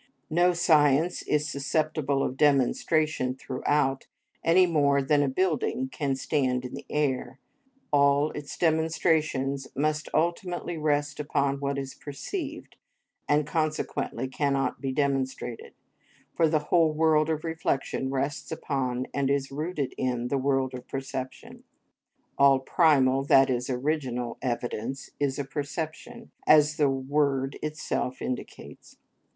No science is susceptible of demonstration throughout any more than a building can stand in the air; all its demonstrations must ultimately rest upon what is perceived, and consequently cannot be demonstrated, for the whole world of reflection rests upon and is rooted in the world of perception. All primal, that is, original, evidence is a perception, as the word itself indicates.